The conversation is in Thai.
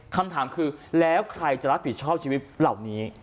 คำถามคือแล้วใครจะรับผิดชอบชีวิตเหล่านี้